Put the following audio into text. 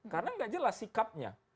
karena enggak jelas sikapnya